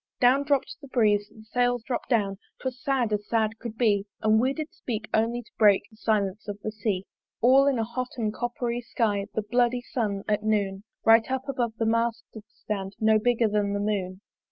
Down dropt the breeze, the Sails dropt down, 'Twas sad as sad could be And we did speak only to break The silence of the Sea. All in a hot and copper sky The bloody sun at noon, Right up above the mast did stand, No bigger than the moon.